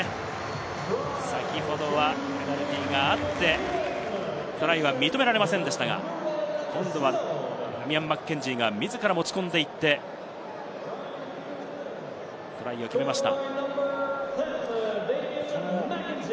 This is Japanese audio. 先ほどはペナルティーがあって、トライは認められませんでしたが、今度はダミアン・マッケンジーが自ら持ち込んでトライを決めました。